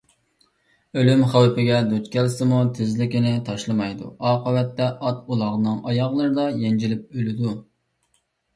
ئۆلۈم خەۋپىگە دۇچ كەلسىمۇ تېزىكىنى تاشلىمايدۇ. ئاقىۋەتتە ئات - ئۇلاغنىڭ ئاياغلىرىدا يەنجىلىپ ئۆلىدۇ.